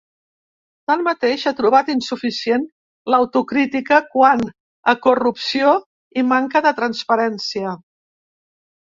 Tanmateix, ha trobat insuficient l’autocrítica quant a corrupció i manca de transparència.